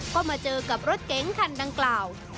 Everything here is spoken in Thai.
ก็มาเจอกับรถเก๋งคันดังกล่าว